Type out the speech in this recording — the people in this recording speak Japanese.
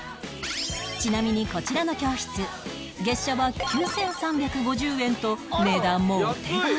ちなみにこちらの教室月謝は９３５０円と値段もお手頃